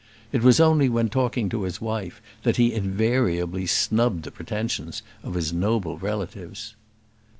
It was only when talking to his wife that he invariably snubbed the pretensions of his noble relatives.